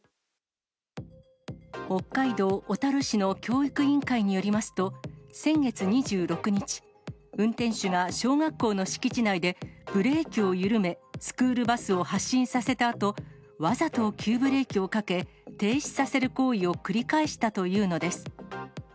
北海道小樽市の教育委員会によりますと、先月２６日、運転手が小学校の敷地内で、ブレーキを緩め、スクールバスを発進させたあと、わざと急ブレーキをかけ、停止させる行為を繰り返したというのです。